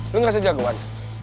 lo gak sejagoan